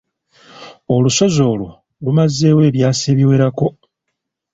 Olusozi olwo lumazeewo ebyasa ebiwerako.